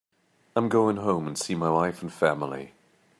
I'm going home and see my wife and family.